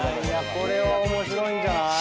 これは面白いんじゃない。